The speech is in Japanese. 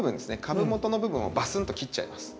株元の部分をバスンと切っちゃいます。